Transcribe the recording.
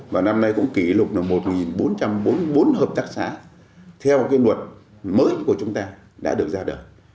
và năm nay cũng kỷ lục là một bốn trăm bốn mươi bốn hợp tác xã theo cái luật mới của chúng ta đã được ra đời